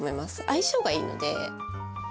相性がいいので。